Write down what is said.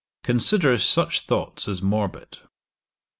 Consider such thoughts as morbid.